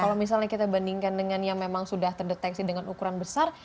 kalau misalnya kita bandingkan dengan yang memang sudah terdeteksi dengan ukuran besar